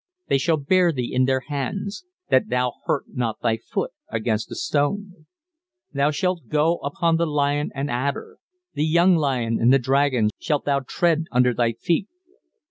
"They shall bear thee in their hands: that thou hurt not thy foot against a stone. "Thou shalt go upon the lion and adder: the young lion and the dragon shalt thou tread under thy feet.